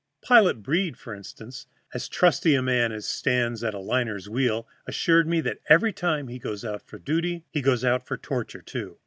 Pilot Breed, for instance, as trusty a man as stands at a liner's wheel, assured me that every time he goes out for duty he goes out for torture, too.